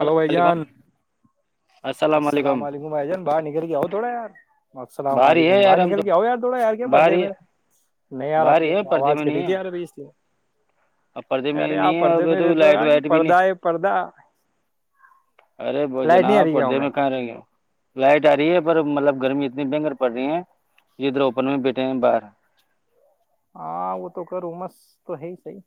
hello بھائی علیکم جان [unintelligible] السلام علیکم بھائی جان [unintelligible] باہر نکر گیا ہو تھوڑا یار [unintelligible] السلام باہر ہی ہے علیکم یار بھائی ہم نکل تو کیا ہو یار تھوڑا یار کیا پ باہر پرھدے ہی میں نہیں یار باہر آپ آواز کٹی تھی یار ا بھ اس لیے ا پردے میں ارے نہیں آپ ہے پردے ا میں تو رہتے ہو لائٹ یار کہ وائٹ بھی نہیں پردہ ہے پردہ ارے وہ لائٹ نہیں جناب آ رہی گاؤں پردے میں رہی ہو لائٹ آ رہی ہے پر مطلب گرمی اتنی بنگر پڑ رہی ہے ادھر اوپن میں بیٹھے ہیں باہر [unintelligible] ہاں وہ تو کروں مس تو ہے صحیح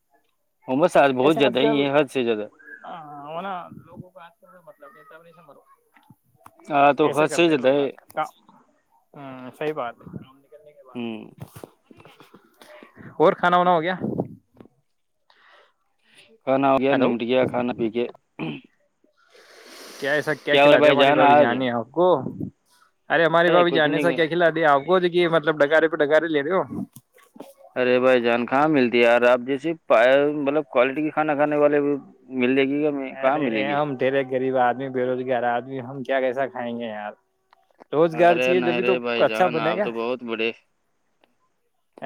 عمس بہت ایسے آج زیادہ کل ہی ہے حد سے زیادہ وہ ن لوگوں کا آج کل مطلب کہتا [unintelligible] م بر [unintelligible] ہاں تو ایسے حد سے کرتے ہیں زیادہ لوگ ہے آج کل کا ہ صحیح بات ہے کام نکلنے کے ہ بعد [unintelligible] اور کھانا وانا ہو گیا [unintelligible] ج [unintelligible] کانا ہو کیا ہلو نمٹگ کھانا پ کے [unintelligible] کیا ایسا کیا ہوا کھلا د بھائی ہماری بابھی آج جان ہکو ارے ہماری بھ بھی کچھ جان سے نہیں کیا کھلا دے آ و جگی مطلب ڈگارے پہ ڈگارے لے رہے ہو ارے بھائی جان کہاں ملتی ہے یار آپ جیسے پ مطلب کوالٹی کے کھانا کھانے والے ملے گی کہاں ملے ارے گی ہم ترے غریب آدمی بے روزگار آدمی ہم کیا کہساتے ہیں گے ار [unintelligible] روزگار ارے چاہیے نہیں جبھی تو رے بھائی اچھا جان بنے آپ گا تو بہت بڑے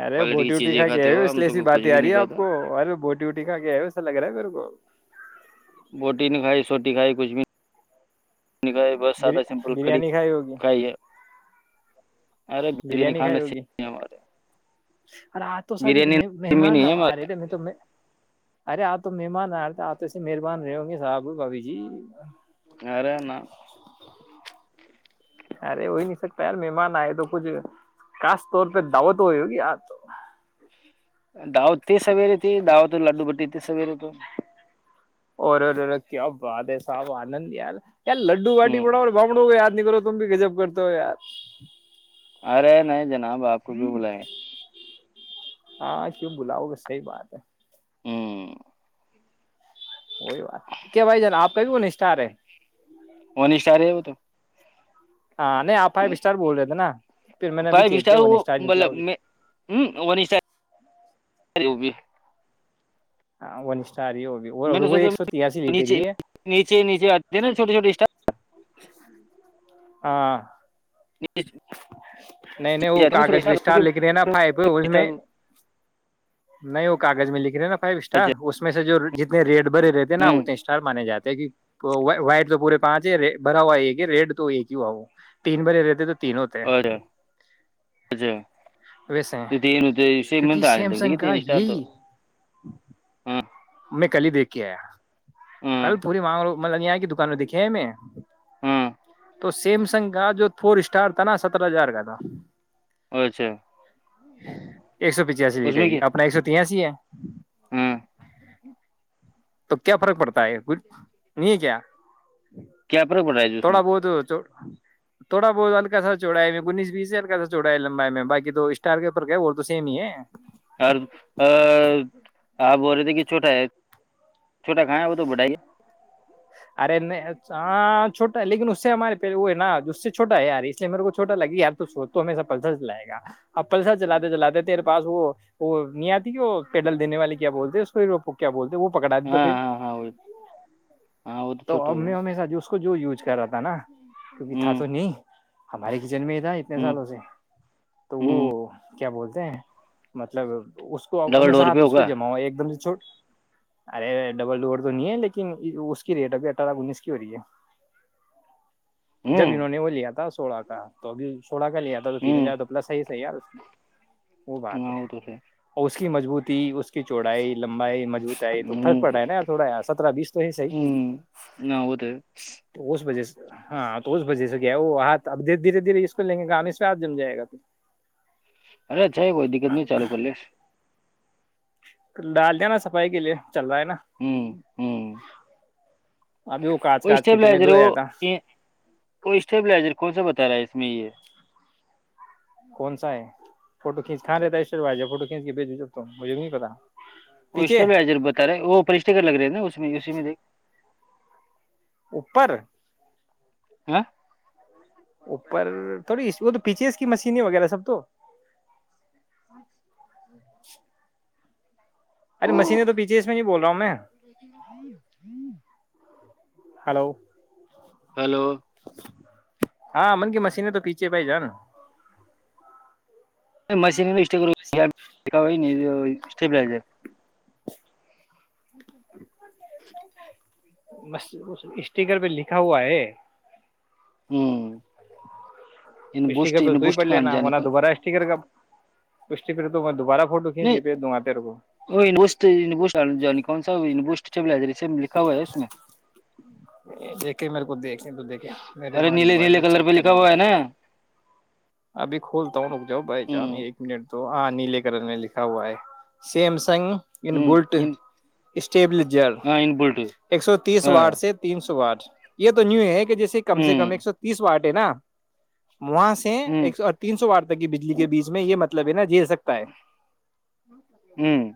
ارے کوالٹی کی بوٹی وٹی چیزیں کا گ کھاتے ہے ہو اس ہم لیے تو ایسی کچھ بات ہی بھی آ رہی نہیں ہے آپ کھاتا کو ارے بوٹی وٹیھا گ ہے ہو ایسا لگ رہا ہے میرے کو بوٹی نہیں کھائی سوٹی کھائی کچھ بھی نہیں نکا بس سادا سمپل کڑی بریانی کھائی ہوگی کھائی ہے ج [unintelligible] بریانی کھائی ہوگی ارے آ تو سج بریانی میں مہمان نہیں ہے نہا آ ہمارے رہے تھے میں تو میں ارے آپ تو مہمان آ رہے تھے آپ تو ایسے مہربان رہے ہوں گے صاحب بھابھی جی ارے نا ارے وہی نہیں سکتا یار مہمان آئے تو کچھ خاص طور پہ دعوت ہوئی ہوگی آ داوت ت سویرے تھی دت تو لڈو بٹیت سویر ہو تو اور کیا واد ہے صاحب آنند ار کیا لڈو باٹی ہ پڑا اور بامڑو گیا نہیں کرو تم بھی گجب کرتا ہو یار ارے نہیں جناب آپ کو کیوں بلیںے ہاں کیوں بلاؤ گ صحی بات ہے ہوں وہی بات کیا بھائی جان آپ کائی کو نشٹا ہے ون اسٹار ہے وہ تو ہاں نہیں آپ فائیو اسٹار بول رہے تھے نا پھر میں نے ابھی فائیو چیک کیا ون وہ اسٹار نکلا مطلب وہ بھی میں ا وہ بھی ہاں وہنس میں نے سوچا ن یہ نیچے نیچے آتے نا چھوٹے چھوٹے اسٹپ ہاں ہاں اسٹار نہیں نہیں وہ کاغذ بھی اسٹار لکھ رہے ہیں نا فائیو اس میں نہیں وہ کاغذ میں لکھ رہے ہیں نا فائیو اسٹار اس میں سے جو جتنے ریٹ بھرے رہتے ہیں نا انے اسٹار مانے جات کہ وائٹ تو پورے پانچ ہے بھرا ہوا ایک ہے ریڈ تو ایک ہی ہوا وہ تین بھرے رہتے تو ہوتے ہیں اورا اچھا ویسے ہیں م ل د کیونکہ سیمسنگ ت کا اسار تو یہی ہاں میں ک ہی دیکھھی کیا ہاں کل پوری مانگ لو مطلب یہاں کی دکان میں دیکھے ہیں ہم ہاں تو سیمسنگ کا جو فور اسٹار تھا نا سترہ ہزار کا تھا اچھا ایک سو پچاسی اس لیٹر میں یہ کیا اپنا ایک سو تیاسی ہے ہاں تو کیا فرق پڑتا ہے کچھ نہیں ہے کیا کیا پرغ پڑ رہا ہے جی اس تھوڑا میں بہت تھوڑا بہت ہلک سا چوڑا گیس بیس سے ہلکا سا چوڑایا لمبا میں بای اسٹار کے اوپر کا وہ تو سیم ہی ہے اور آپ بول رہے تھے کہ چھوٹا ہے چھوٹا کھایا ہے وہ تو بٹائیے ارے نہیں آ چھٹا ہے لیکن اس سے ہمارے پ وہ ہے نا اس سے چھوا ہے یار اس لیے میرے کو چھوٹا لگی ی تو سو ہشا پلسر چلائے گا اب پلسر چلاتے چلاتے تیرے پاس وہ وہ نہیں آتی وہ پیڈل دینے والے کیا بولتے پھر وہ کیا بولتے وہ پکڑا دیتے ہاں پھر ہاں ہاں وہ ہاں وہ تو چھوٹا اب ہی میں ہمیشہ جو اس کو جو یوز کر رہا تھا نا کیونکہ ہے تھا تو نہیں ہمارے کچن میں ہی تھا اتنے ہ سالوں سے تو ہ وہ کیا بولتے ہیں م لگ [inaudible] اس کو ڈبل ہمیشہ ڈور ہاتھ اس پہ ہوگا جما ہوا ایک دم سے چھوٹ ارے ڈبل ڈور تو نہیں ہے لیکن اس ریٹ ابھی اٹھارہ انیس کی ہو رہی ہے جب ہوں انہوں نے وہ لیا تھا سوڑا کا تو گی [inaudible] تھوڑایا تھا تو تین ہوں ہزار تو پل سائز صحی ار اس [inaudible] وہ بات ہاں ہے وہ تو اور اس کی مضبوطی اس کی چوڑائی لمبا ہے مجوط ہے تو پرک ہوں پڑا ہے نا تھوڑا سرہ بیس تو ہی صحی ہوں نہ ہو تو اس وجہ سے ہاں تو اس بجی سے گ وہ ہاتھ ابے دھیرے دھیرے اس کو لیں گے گ اس پ ہات جم جائے گا تو ارے چھ ہے کوئی دقت نہیں چالو کر لیس ڈال دیا نا صفائی کے لیے چل رہا ہے نا ابھی وہ کانچ کو کانچ کی تمہیں اسٹیبائزر دھویا وہ تھا کو اسٹیبلائزر کون سا بتا رہا ہے اس میں یہ [inaudible] کون سا ہے فوٹو کنچ کا رہتا ہے عشر بھائی فو کھینچ کے بھیج جب تو مجے بھی نہیں پتا وہٹ پیچھے بتا رہے وہ فشٹ کر لگ رہے ہیں نا اس اسی میں دیک اوپر ہ [inaudible] اپر تھوڑی وہ تو پیچھے مشینیں وغیرہ سب تو [inaudible] ارے مشین تو پیچھے اس میں نہیں بول رہا ہوں میں ہلو ہلو ہاں من کی مشینین تو پیچھے بھائی جان مشین بھی اسب جچا اچا بس اسٹیکر پہ لکھا ہوا ہے ہوں اسٹیکر بسٹ تو تو ہی بسٹ پڑ کا لینا جانے وہنا کون دوبارہ اسٹیکر کا اس کے پھر تو میں دوبارہ فوٹو کھینچ نہیں کے بھیج دوں گا تیرے کو وہ بستے بس ج کو سا بس لائبریری سے لکھا ہوا ہے اس نے دیکھے میرے کو دیکے تو دیکھے میرے ارے ماں نے نیلے بال ب نیلے چ کلر پہ لکھا کرنے ہوا ہے تے نا ابھی کھولتا ہوں رک جاؤ بائی چان ہوں ایک منٹ تو ہاں نیلے کرن میں لکھا ہوا ہے سیمسنگ ان ہوں بلٹ ٹیبلزر ہاں ان بلٹ ایک سو تیس ہاں وارڈ سے تین سو وارڈ یہ تو نیو ہے جیے کم سے کم ہوں ایک سو تیس وارٹ ہے نا وہاں سے ہوں ایک سو اور تین سو وار تک کی بجلی کے بیچ میں یہ مطلب ہے نا جھیل سکتا ہے ہوں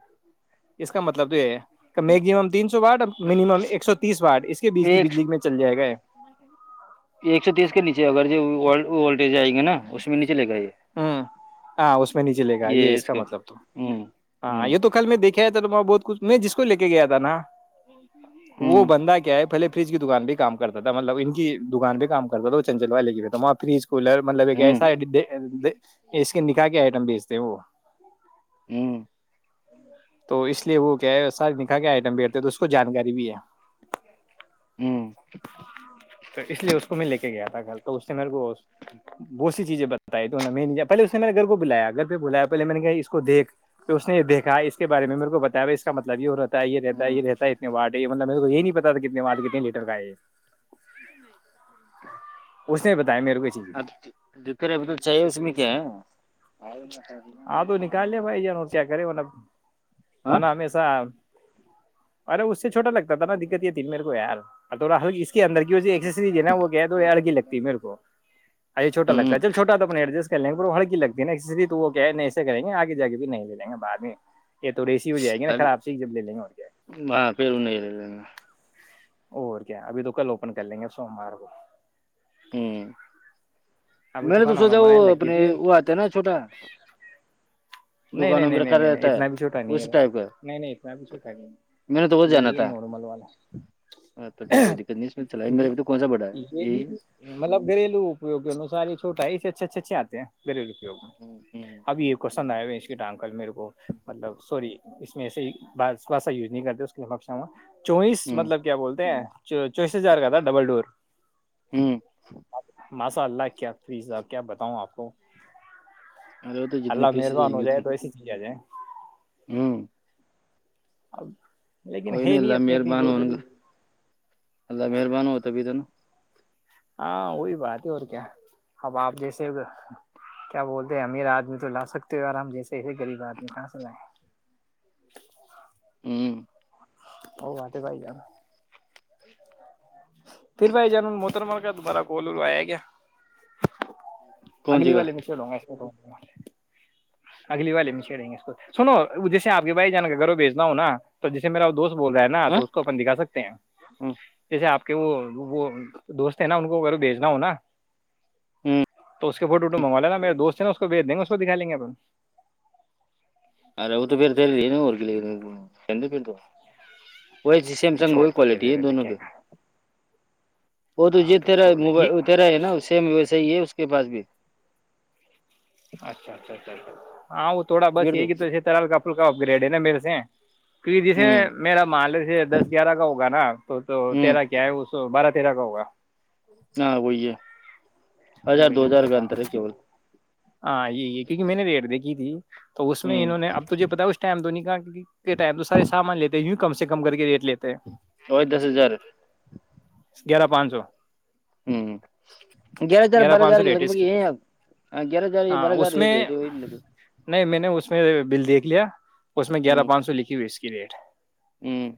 اس کا مطلب تو یہ ہے میگزم تین سو وارٹ اور منیمم ایک سو تیس وارڈ اس کے بیچ کی ایک بجلی میں چل جائے گا ہے ایک سو تیس کے نیچے اگر جورلڈ وولٹٹیج آئیں گ نا اس میں نیے ہ ہاں اس میں نہیں چلے گا یہ اس کا کو مطلب تو ہوں ہاں ہوں یہ تو کل میں دیکھ کیا تھا توم بہت کچھ میں جس کو ل کے گیا تھا نا ہوں وہ بندہ کیا ہے پہلے فریج کی دکان بھی کام کرتا تھا مطلب ان کی دکان بھی کا کرتا تھا وہ چنچلوا لے کے بھی تھاپ فریج کو کولر مطلب ایک ہوں کہسائڈے اس کے نکاح کے آئٹم بیچتے ہیں وہ ہوں تو اس لیے وہ کیا ہے سارے نکح کے آئٹم بیٹتے تو اس کو جانکاری بھی ہے ہوں تو اس لیے اس کو میں لے کے گیا ھر تو اس نے میرے کو بہت سی چیزیں بتائی تو پہلے نے نے گھر کو بلایا گھر پہ بلایا پہے میں نے کہ اس کو دیکھ اس نے یہ دیکھا اس بار میں میرے کو بتایا اس کا مطلب یہ ہوتا تھا یہ رہتا ہے ہوں یہ رہتا ہے اتنے واٹ یہ مطلب مے کو یہ نہیں پتا کتنے واٹ کتنے لیٹر کا ہے یہ اس نے بھی بتایا میرے کو چیز اب ہا ہاں تو نکال لیا بھائی ن کیا کرےا وہن ہمیشہ ارے اس سے چھوٹا لگتا تھا نا دقت یہ تین میرے کو یار اور تھوا ہلی اس کے اندر کی ہےا وہ تو اڑگی لگتی ہے مے کو یہ چوٹا لگتا ہے چوا تو اپ ایڈجسٹ کر لیں گے ہلک لگتی ہے نا تو کہ نہیں ایسے کریں گے آگے جا کے بھی نہیں لے جیں گے بعد میں یہ تو ریسی ہو جائے گی نا خراب تھی جب لے لیں گے اور کیا ہاں پھر نہیں لے لینا اور کیا ابھی تو کل اوپن کر لیں گے سوموار کو ہ ابھی میں نے تو کھانا وانا سوچا وہ بنانے لگی اپنے تھی وہ آتے ہیں نا چھوٹا نہیں نہیں دکانوں میں نہیں رکھا نہیں نہیں رہتا ہے اتنا بھی چھوٹا نہیں ہے اس ٹائپ کا نہیں نہیں اتنا بھی چھوٹا نہیں م نے تو بت ہے, جانا یہ یہ تھا نارمل والا کوئی دقت نہیں اس چلا تو کون سا بڑا ہے یہ بھی یہی ہے مطلب گھلو، وگیوں ن ساری چوٹا ہےس اچھ اچھے اچے آ ہیں گریب کے ہوں ہوں اب یہ کوشن آئے ہوئے اسٹ کل میرے کو مطلب سوری اس میں ایے ہیاا یوز نہیں کرتے اس کے لیشا چوئیس ہوں مطلب کیا بولتے ہیں چوئیس ہزار کا تھا ڈبل ڈور ہوں ماشاء اللہ کیا فیزا کیا بتاؤں آپ کو ارے وہ تو جتنی اللہ پیس جائے گی مہربان ہو جائے تو ایسے چل جائےیں ہوں [inaudible] لیکن کوئی ہے نہیں اللہ اپنی اپنی گودڑی ا مہربان ہوتاب تو ن ہاں وہی بات ہے اور کیا اب آپ جیسے کیا بولتے ہیں امیر آدمی تو لا سکتے ہو آرام جیسے ایسے غریب آدمی کہاں سے لائے ہوں ہو ود بھائی جان پھر بھائی جان محتر مل کا تبہارا گولول آیا گیا کون سی اگلی کا والے میں چلوں گا اگلی والے مچے رہیں گے سنو پ کے بھائی جان کے گوں بی بھیچنا ہوں نا تو جسے میرا وہ دوست بول رہا ہے نا ہاں تو اس کو اپن دکھا سکتے ہیں ہوں جیسے آپ کہ وہ وہ دوست ہے نا ان کو ایر بھیجنا ہوناا ہوں تو اس کے فوٹو ووٹو منگو لےینا میرے دوست ہے نا اس کو بھیج دیں گے اس کو دکھا لیں گے اپن ارے وہ تو پھر تلدین ہو کے ل چند پھر تو وہی سیمسنگ چھوڑ وہی تو پھر کوالٹی ہے رہنے دے دونوں کیا پہ وہ تو ہاں یہ تیرا چھوڑ موب یہ تیرا ہے نا سیم وسح ہی ہے یہ بس بھی اچھا اچھا اچھا اچھا ہاں وہ تھوڑا بس یہ ہیی تو ترال کپل کا اپ گریڈ لے لیں مے دسے کیک جیسے ہوں میرا مالک دس گیارہ کا ہوگا نا تو تو ہوں تیرا کیا ہے وہ بارہ پیرا کہ ہو گا ہاں وہی ہے ہزار وہ دو یہ ہزار کا فرق انتر ہے کیول ہاں یہ کیونکہ میں نے بھییٹ د کی تھی تو اس میں ہوں انہوں نے اب تجھے بتایا اس ٹائم دھونی کا کے ٹائم تو سارے سامان لیتے ہوں کم سے کم کر کے ریٹ لیتے ہیں ا دس ہزار گیارہ پانچ سو ہوں گ گیارہ پانچ سو لیٹسٹ کی گیارہ ہزار یہ ہاں بارہ ہزار اس ریٹ میں رہتے وہی لگ نہیں میں نے اس میں بل دیکھ لیا اس میں گیارہ ہوں پانچ سو لکھی کییٹ ہوں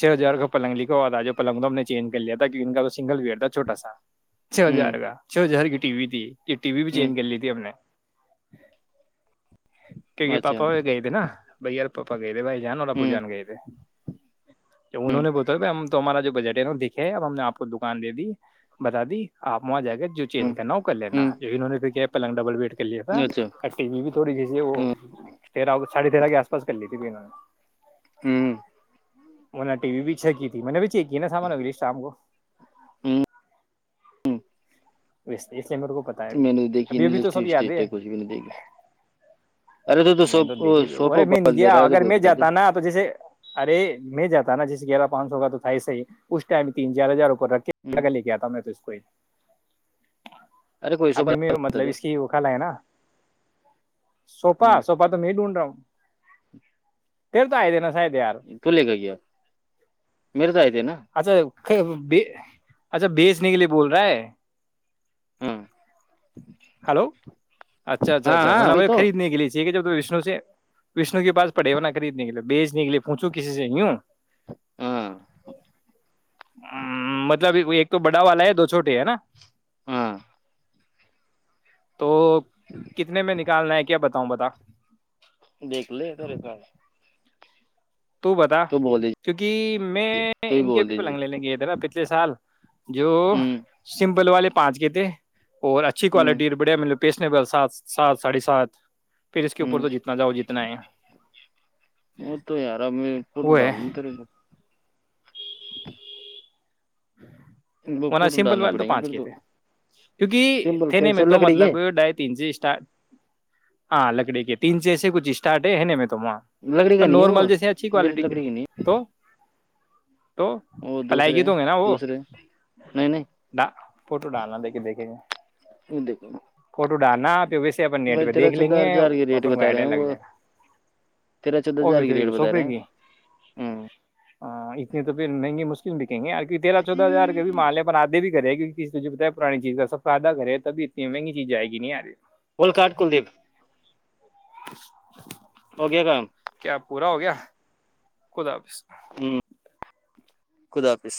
چھ ہزار کا پلنگ ل کہ آد آ جا پلنگ ہم نے چینج کر لیا تھا کی ان کا سنگل ویئر تھا چھوٹا چھ ہزار ہوں کا چھ ہزار ٹی وی ت یہ ٹی وی بھی چینج کر ہوں لی تھی اپ نے کیک اچھا پاپا وہ گئے تھے نا بہر پک گئے تھ بھائی جان اور آپو ہوں جان گئے تھ تو انہوں ہوں نے بتا ب تو ہمارا جو بجٹ ہے نا دکھا ہے اب ہم نے آپ کو دکان دے دی بتا دی آپ مج آ گی جو ہوں چینج کرنا وہ کر لینا ہوں لیکنہوں نے پھر کیاپ پلگ ڈبل بیٹ لیا تھا اچھا کٹی بھی بھی تھوڑیی وہ ہوں پرا ساھے تیرہ کے آس پاس کر لی تھی ب انوں نے ہوں م نے ٹی وی بھی چھ کی تھی میں نے بھی چیک نا سامان اگ لسٹام کو ہوں اسس میں نے تو دیکھی ہے کچھ بھی دیکھ ارے تو تو میں دیکھی ارے سوفاوپ میں نہیں لے گیا رہا ہے تو اگر کوئی میں بتا د جاتا نا تو جیسے ارے میں جاتا نا جس گیارہ پانچ سو کا تو تھا صحی اس ٹائم تین چار ہزارپ رکھ کے ہ لڑا لے کے آتا ہ میں تو اس کو ہی ارے کوئی سوپ ابھی میں بتا مطلب دے اس کی وہ کل ہے نا سوفا ہ سوفا تو میں ڈھونڈ رہا ہوں تل تو آئے د ن تو لے کے کیا میرے تو آئے تھے نا اچھا اچھا بیچنے کے لیے بول رہا ہے [unintelligible] ہاں ہلو اچھا اچھا ہاں اچھا ہاں منا وہی بھائی تو خریدنے گے ٹھیک ہے جب تو وشنو سے وشنو کے پاس پڑےونا خریدنےکلے بیچ نکلے پوچھو کسی سے یوں ہ ہاں م مطلب ایک تو بڑا والا ہے دو چھوٹے ہے نا ہاں تو کتنے میں کالنا ہے کیا بتاؤں بتا دیکھ لے تھیرے کھر تو بتا کیونکہ میں تو ہی ان کی بول ابھی دیجیے پلنگ لے لیں گیرا پچھلے سال جو ہوں سمپل والے پانچ کے تھ اور اچھی ہوں کوالٹی بڑیا مطلب پیسنے ب سات سات ساھے سات پیر اس کے اوپر ہوں تو جتنا جاؤ جتنا ہے ر میں پول وہ ہے ڈال دوں ت رہے کو وہنا فوٹو سمپل ڈالنا والے تو پڑیں گے پانچ پھر کے تھے کیونکہ سمپل تھھینے میں کیسے تو لکڑی کے مطلب ڈھائی تین سے ہاں لکڑی کے تین سےسے کچھ اسٹارٹ ہے ہے میں تو وہاں لکڑی پر کا نہیں ہے وہا نارمل جیسے اچھی میری کوالٹی کے لکڑی کا نہیں ہے تو تو وہ پلائیگی دوسرے ہیں تووں گے نا وہ دوسرے نہیں نہیں ڈ فوٹو ڈالنا دیکے دیکھیں دیکھو گ ڈا نا بھائی تیرہ چودہ ہزار کی ریٹ کو بتا رہے آئیڈیا ہیں لگ وہ جائے گا تیرہ چودہ اور ہزار بھی کی تیری ریٹ کو بتا رہے ہیں ہ ہاں اتنے تو پھر مہنگے مشکل دیک کہ آ کہ تیرہ چودہ ہار آھے بھی گے کیک کسیجھے بتا ہے پرانی چیز کا سب سےدا گے ہےب اتنی مہنی چیز جائے گی نہیں آدھی گولکاٹ کلدیپ ہو گیا کام [unintelligible] کیا پورا ہو گیا خدا حفظ ہوں خدا حافظ